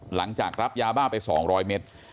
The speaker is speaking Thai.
หลังจากรับยาบ้าไป๒๐๐เมตร